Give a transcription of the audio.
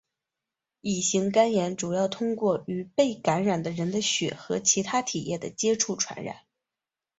乙型肝炎主要通过与被感染的人的血和其它体液的接触传染。